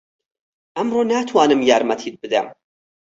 ئەمڕۆ ناتوانم یارمەتیت بدەم.